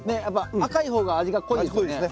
赤い方が味が濃いですよね。